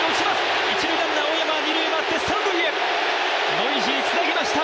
ノイジー、つなぎました。